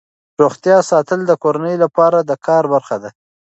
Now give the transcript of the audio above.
روغتیا ساتل د کورنۍ د پلار د کار برخه ده.